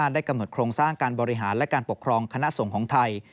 ได้กำหนดโครงสร้างการบริหารและการปกครองคณะสงฆ์ของไทย